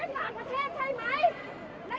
ต้องใจร่วม